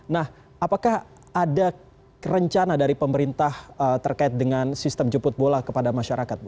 nah apakah ada rencana dari pemerintah terkait dengan sistem jemput bola kepada masyarakat